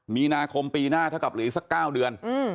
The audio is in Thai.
มีนาคมปีหน้าถ้ากับหรือสัก๙เดือน